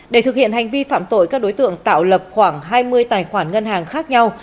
để thực hiện hành vi phạm tội các đối tượng tạo lập khoảng hai mươi tài khoản ngân hàng khác nhau